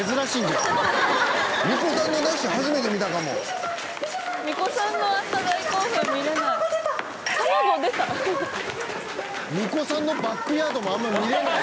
巫女さんのバックヤードもあんま見れない。